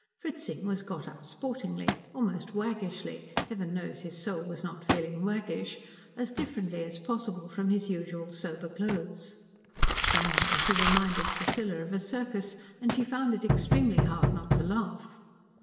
Fritzing was got up sportingly, almost waggishly heaven knows his soul was not feeling waggish as differently as possible from his usual sober clothes. Somehow he reminded Priscilla of a circus, and she found it extremely hard not to laugh.